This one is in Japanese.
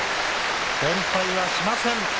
連敗はしません。